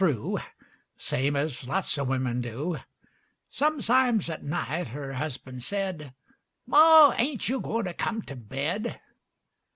The same as lots of wimmin do; Sometimes at night her husban' said, "Ma, ain't you goin' to come to bed?"